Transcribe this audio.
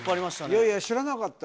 いやいや知らなかった。